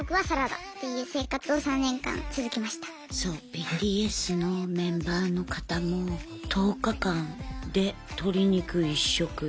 ＢＴＳのメンバーの方も１０日間で鶏肉１食。